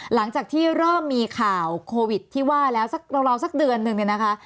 หลังจากที่เริ่มมีข่าวโควิดที่ว่าแล้วสักราวสักเดือนนึงเนี่ยนะคะ